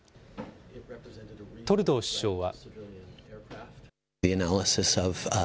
トルドー首相は。